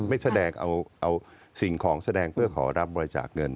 ไม่แสดงเอาสิ่งของแสดงเพื่อขอรับบริจาคเงิน